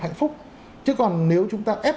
hạnh phúc chứ còn nếu chúng ta ép